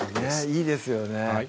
いいですよね